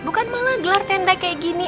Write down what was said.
bukan malah gelar tenda kayak gini